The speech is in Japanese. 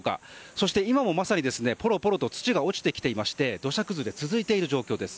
そして今もまさに、ぽろぽろと土が落ちてきていまして土砂崩れが続いている状況です。